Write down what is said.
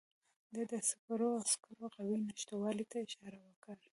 ده د سپرو عسکرو قوې نشتوالي ته اشاره وکړه.